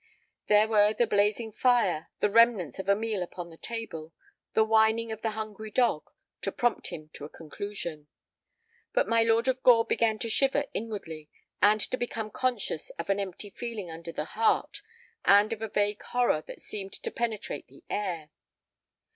There were the blazing fire, the remnants of a meal upon the table, the whining of the hungry dog to prompt him to a conclusion. But my Lord of Gore began to shiver inwardly, and to become conscious of an empty feeling under the heart and of a vague horror that seemed to penetrate the air.